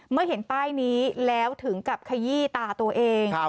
เมื่อเห็นป้ายนี้แล้วถึงกับขยี้ตาตัวเอง